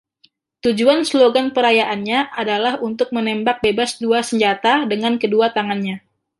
Tujuan slogan perayaannya adalah untuk menembak bebas dua senjata dengan kedua tangannya.